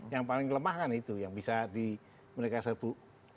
yang paling kelemah kan itu yang bisa di mereka serbu